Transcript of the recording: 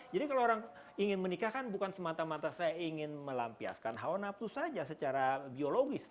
jadi kalau orang ingin menikah kan bukan semata mata saya ingin melampiaskan haonap itu saja secara biologis